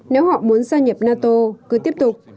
nếu họ muốn gia nhập nato cứ tiếp tục